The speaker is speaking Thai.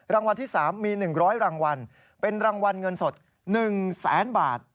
รางวัลที่๓มี๑๐๐รางวัลเป็นรางวัลเงินสด๑แสนบาท